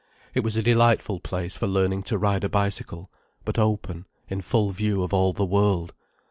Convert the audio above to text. It was a delightful place for learning to ride a bicycle, but open in full view of all the world.